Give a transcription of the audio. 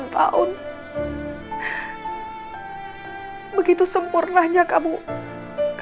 dan kita explore dapat berpikir